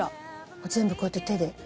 全部こうやって手で。